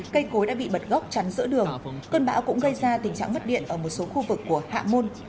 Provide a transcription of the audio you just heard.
cây cối đã bị bật gốc chắn giữa đường cơn bão cũng gây ra tình trạng mất điện ở một số khu vực của hạ môn